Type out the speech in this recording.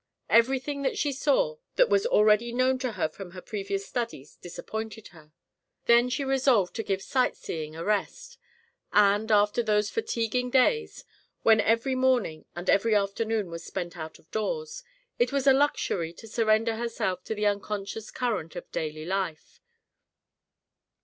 Everything that she saw that was already known to her from her previous studies disappointed her. Then she resolved to give sight seeing a rest. And, after those fatiguing days, when every morning and every afternoon was spent out of doors, it was a luxury to surrender herself to the unconscious current of daily life.